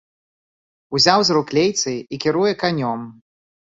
Узяў з рук лейцы і кіруе канём.